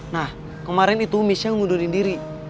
nah kemarin itu michelle ngundurin diri